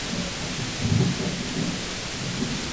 ھون ٿارو ڪاوُ ڪرو يار تو منو تنگ ڪو ڪرو